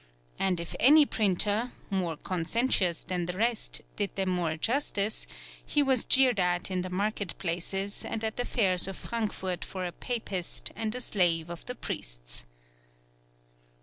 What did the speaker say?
And if any printer, more conscientious than the rest, did them more justice, he was jeered at in the market places and at the fairs of Frankfort for a Papist and a slave of the priests.